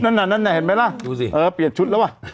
นั่นเห็นไหมล่ะเออเปลี่ยนชุดแล้วว่ะ